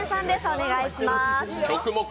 お願いします。